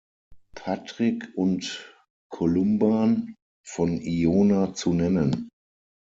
Patrick und Columban von Iona zu nennen.